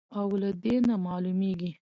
او له دې نه معلومېږي،